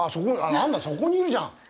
なんだ、そこにいるじゃん。